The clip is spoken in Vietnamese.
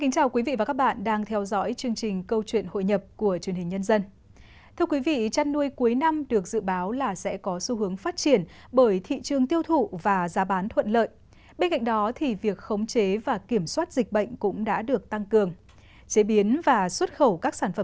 các bạn hãy đăng ký kênh để ủng hộ kênh của chúng mình nhé